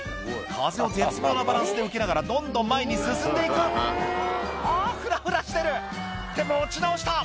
風を絶妙なバランスで受けながらどんどん前に進んで行くあぁふらふらしてるって持ち直した！